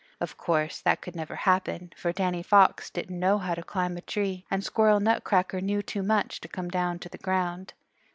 Of course that could never happen, for Danny Fox didn't know how to climb a tree and Squirrel Nutcracker knew too much to come down to the ground.